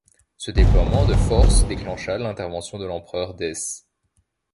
Ce déploiement de forces déclencha l'intervention de l'empereur Dèce.